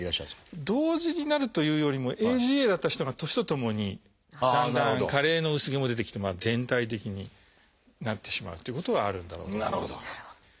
同時になるというよりもＡＧＡだった人が年とともにだんだん加齢の薄毛も出てきて全体的になってしまうということはあるんだろうと思います。